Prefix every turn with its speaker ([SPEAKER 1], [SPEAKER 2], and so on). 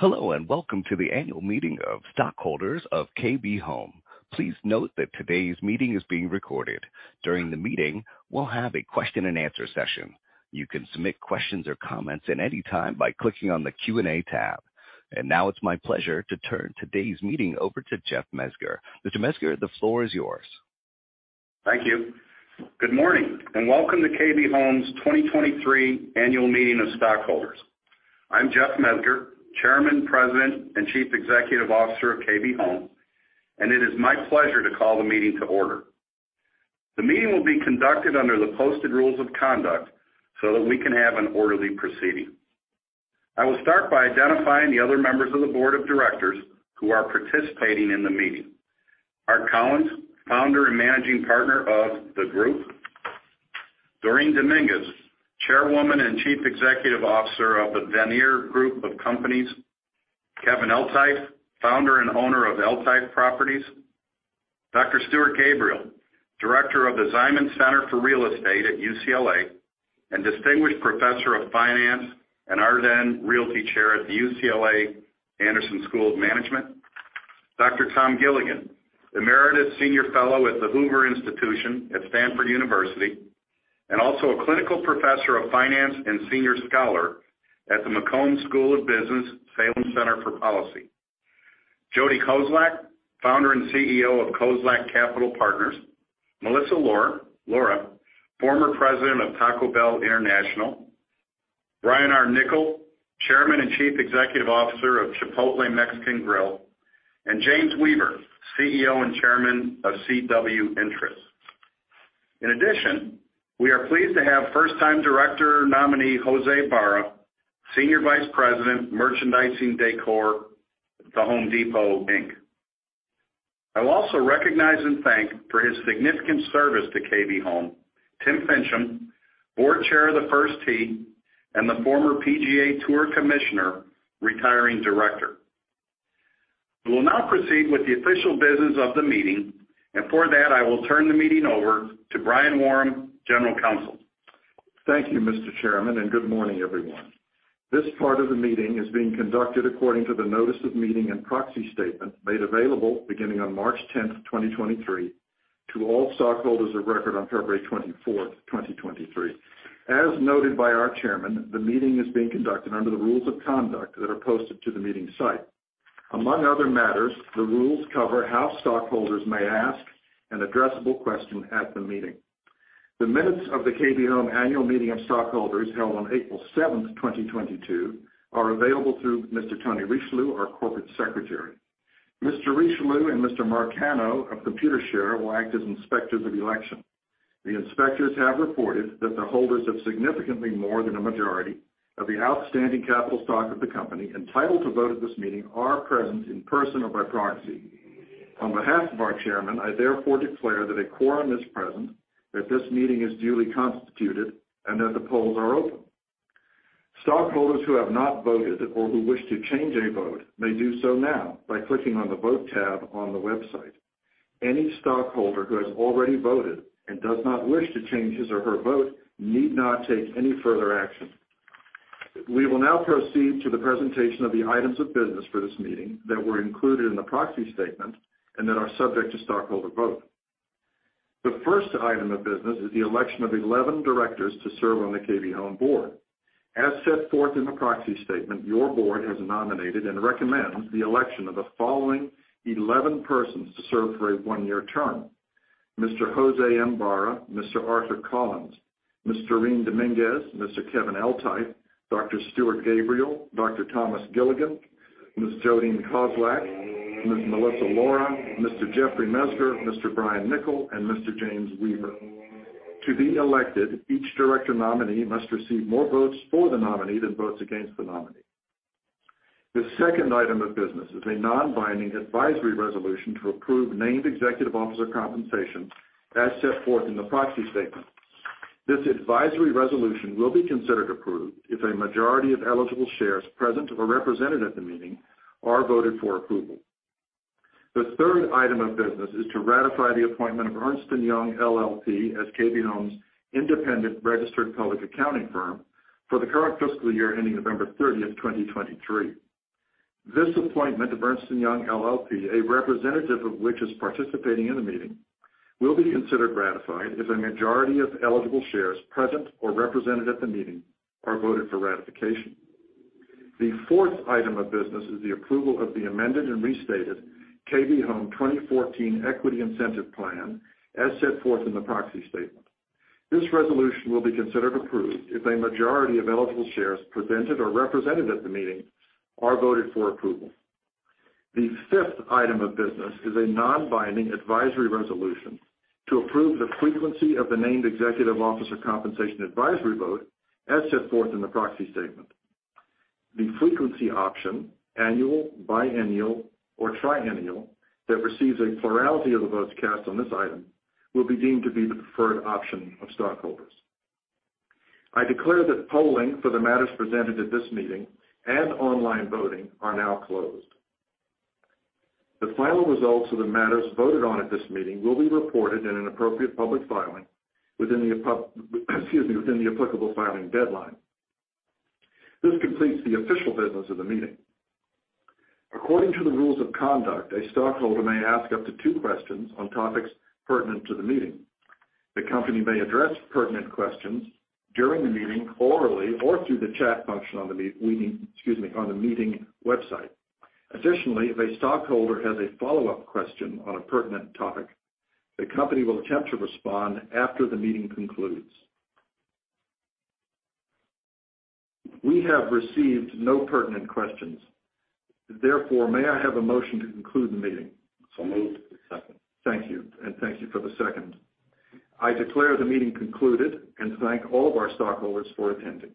[SPEAKER 1] Hello, and welcome to the Annual Meeting of Stockholders of KB Home. Please note that today's meeting is being recorded. During the meeting, we'll have a question-and-answer session. You can submit questions or comments at any time by clicking on the Q&A tab. Now it's my pleasure to turn today's meeting over to Jeff Mezger. Mr. Mezger, the floor is yours.
[SPEAKER 2] Thank you. Welcome to KB Home's 2023 Annual Meeting of Stockholders. I'm Jeff Mezger, Chairman, President, and Chief Executive Officer of KB Home. It is my pleasure to call the meeting to order. The meeting will be conducted under the posted rules of conduct so that we can have an orderly proceeding. I will start by identifying the other members of the board of directors who are participating in the meeting. Art Collins, Founder and Managing Partner of theGROUP. Dorene Dominguez, Chairwoman and Chief Executive Officer of the Vanir Group of Companies. Kevin Eltife, Founder and Owner of Eltife Properties. Dr. Stuart Gabriel, director of the Ziman Center for Real Estate at UCLA and distinguished Professor of Finance and Arden Realty Chair at the UCLA Anderson School of Management. Dr. Tom Gilligan, Emeritus Senior Fellow at the Hoover Institution at Stanford University, and also a clinical professor of finance and senior scholar at the McCombs School of Business, Salem Center for Policy. Jody Kozlak, founder and CEO of Kozlak Capital Partners. Melissa Lora, former president of Taco Bell International. Brian R. Niccol, Chairman and Chief Executive Officer of Chipotle Mexican Grill, and James Weaver, CEO and Chairman of CW Interests. In addition, we are pleased to have first-time director nominee Jose Ibarra, Senior Vice President, Merchandising Decor at The Home Depot, Inc. I'll also recognize and thank for his significant service to KB Home, Tim Finchem, Board Chair of the First Tee, and the former PGA TOUR commissioner retiring director. We will now proceed with the official business of the meeting, and for that, I will turn the meeting over to Brian Woram, General Counsel.
[SPEAKER 3] Thank you, Mr. Chairman. Good morning, everyone. This part of the meeting is being conducted according to the notice of meeting and proxy statement made available beginning on March 10th, 2023 to all stockholders of record on February 24th, 2023. As noted by our chairman, the meeting is being conducted under the rules of conduct that are posted to the meeting site. Among other matters, the rules cover how stockholders may ask an addressable question at the meeting. The minutes of the KB Home Annual Meeting of Stockholders held on April 7th, 2022 are available through Mr. Tony Richelieu, our corporate secretary. Mr. Richelieu and Mr. Mark Cano of Computershare will act as inspectors of election. The inspectors have reported that the holders of significantly more than a majority of the outstanding capital stock of the company entitled to vote at this meeting are present in person or by proxy. On behalf of our chairman, I therefore declare that a quorum is present, that this meeting is duly constituted, and that the polls are open. Stockholders who have not voted or who wish to change a vote may do so now by clicking on the Vote tab on the website. Any stockholder who has already voted and does not wish to change his or her vote need not take any further action. We will now proceed to the presentation of the items of business for this meeting that were included in the proxy statement and that are subject to stockholder vote. The first item of business is the election of 11 directors to serve on the KB Home board. As set forth in the proxy statement, your board has nominated and recommends the election of the following 11 persons to serve for a one-year term. Mr. Jose M. Ibarra, Mr. Arthur Collins, Ms. Dorene Dominguez, Mr. Kevin Eltife, Dr. Stuart Gabriel, Dr. Thomas Gilligan, Ms. Jodeen Kozlak, Ms. Melissa Lora, Mr. Jeffrey Mezger, Mr. Brian Niccol, and Mr. James Weaver. To be elected, each director nominee must receive more votes for the nominee than votes against the nominee. The second item of business is a non-binding advisory resolution to approve named executive officer compensation as set forth in the proxy statement. This advisory resolution will be considered approved if a majority of eligible shares present or represented at the meeting are voted for approval. The third item of business is to ratify the appointment of Ernst & Young LLP as KB Home's independent registered public accounting firm for the current fiscal year ending November 30, 2023. This appointment of Ernst & Young LLP, a representative of which is participating in the meeting, will be considered ratified if a majority of eligible shares present or represented at the meeting are voted for ratification. The fourth item of business is the approval of the amended and restated KB Home 2014 Equity Incentive Plan as set forth in the proxy statement. This resolution will be considered approved if a majority of eligible shares presented or represented at the meeting are voted for approval. The fifth item of business is a non-binding advisory resolution to approve the frequency of the named executive officer compensation advisory vote as set forth in the proxy statement. The frequency option, annual, biannual, or triennial, that receives a plurality of the votes cast on this item will be deemed to be the preferred option of stockholders. I declare that polling for the matters presented at this meeting and online voting are now closed. The final results of the matters voted on at this meeting will be reported in an appropriate public filing within the applicable filing deadline. This completes the official business of the meeting. According to the rules of conduct, a stockholder may ask up to two questions on topics pertinent to the meeting. The company may address pertinent questions during the meeting orally or through the chat function on the meeting website. Additionally, if a stockholder has a follow-up question on a pertinent topic, the company will attempt to respond after the meeting concludes. We have received no pertinent questions. Therefore, may I have a motion to conclude the meeting?
[SPEAKER 2] Moved.
[SPEAKER 1] Second.
[SPEAKER 3] Thank you, and thank you for the second. I declare the meeting concluded and thank all of our stockholders for attending.